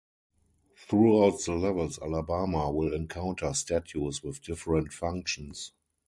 Throughout the levels Alabama will encounter statues with different functions.